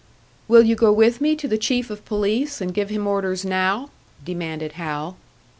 "Will you go with me to the Chief of Police and give him orders now?" demanded Hal.